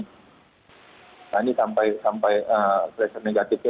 nah ini sampai sampai pressure negatifnya